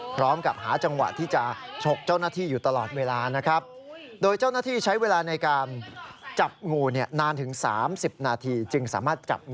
พร้อมกับหาจังหวะที่จะฉกเจ้าหน้าที่อยู่ตลอดเวลานะครับ